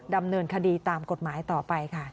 ดำเนินคดีตามกฎหมายต่อไปค่ะ